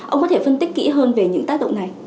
ông có thể phân tích kỹ hơn về những tác động này